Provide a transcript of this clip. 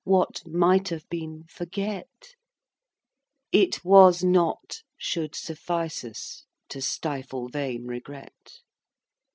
What "might have been," forget; "It was not," should suffice us To stifle vain regret.